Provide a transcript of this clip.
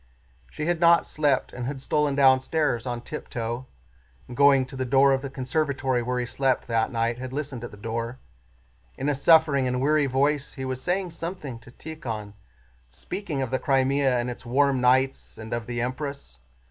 She had not slept and had stolen downstairs on tiptoe, and going to the door of the conservatory where he slept that night had listened at the door. In a suffering and weary voice he was saying something to Tíkhon, speaking of the Crimea and its warm nights and of the Empress.